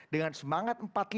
dengan semangat empat puluh lima